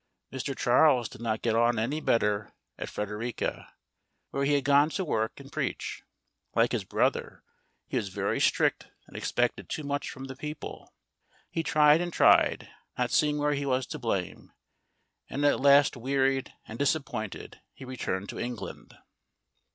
Mr. Charles did not get on any better at Frederica, where he had gone to work and preach. Like his brother, he was very strict and expected too much from the people. He tried and tried, not seeing where he was to blame, and at last wearied and disappointed he returned to England.